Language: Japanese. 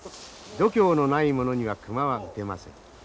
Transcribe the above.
度胸のない者には熊は撃てません。